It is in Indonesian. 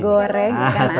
masih hangat sama ikan asin